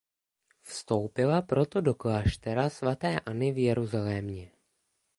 Vstoupila proto do kláštera svaté Anny v Jeruzalémě.